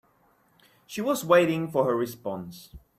She was waiting for her response.